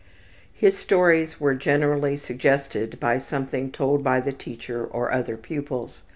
His stories were generally suggested by something told by the teacher or other pupils.